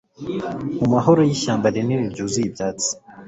Mu mahoro yishyamba rinini ryuzuye ibyatsi